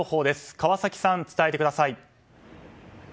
川崎さん、伝えてください。